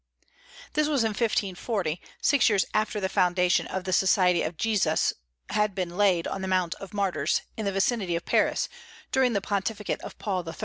This was in 1540, six years after the foundation of the Society of Jesus had been laid on the Mount of Martyrs, in the vicinity of Paris, during the pontificate of Paul III.